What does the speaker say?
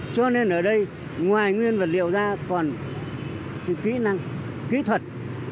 cho nên ở đây ngoài nguyên vật liệu ra còn kỹ năng kỹ thuật